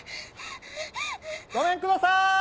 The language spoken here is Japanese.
ごめんくださーい！